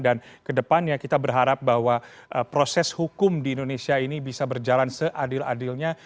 dan kedepannya kita berharap bahwa proses hukum di indonesia ini bisa berjalan seadil adilnya